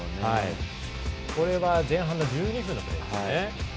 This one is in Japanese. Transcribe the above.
これは前半の１２分のプレーですね。